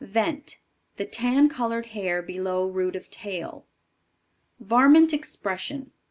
Vent. The tan colored hair below root of tail. Varmint Expression.